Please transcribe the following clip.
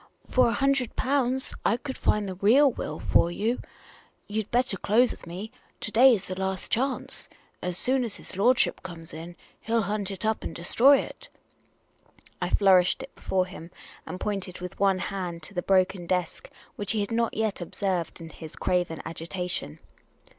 " For a hundred pounds I could find the real will for you. You 'd better close with me. To day is the last chance. As soon as his lordship comes in, he '11 hunt it up and destroy it." I flourished it before him, and pointed with one hand to the broken desk, which he had not yet observed in his craven agitation.